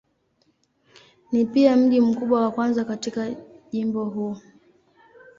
Ni pia mji mkubwa wa kwanza katika jimbo huu.